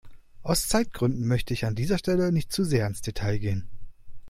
Aus Zeitgründen möchte ich an dieser Stelle nicht zu sehr ins Detail gehen.